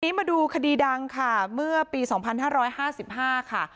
มาดูคดีดังค่ะเมื่อปี๒๕๕๕ค่ะ